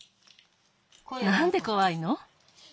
なんでこわいの？